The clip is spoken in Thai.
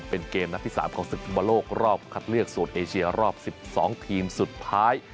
เป็นเกมนัดที่๓ของศึกฟุตบอลโลกรอบคัดเลือกโซนเอเชียรอบ๑๒ทีมสุดท้าย